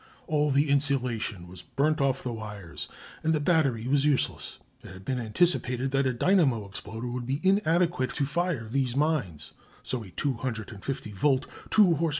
All the insulation was burnt off the wires, and the battery was useless. It had been anticipated that a dynamo exploder would be inadequate to fire these mines, so a 250 volt two h.p.